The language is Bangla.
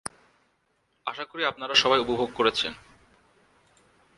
আশা করি আপনারা সবাই উপভোগ করেছেন।